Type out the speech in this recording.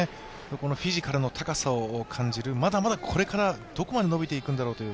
フィジカルの高さを感じる、まだまだこれからどこまで伸びていくんだろうという